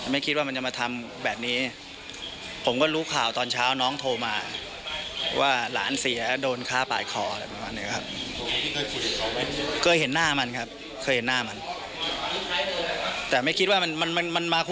มาคุกขี้อยู่บ่อยครับ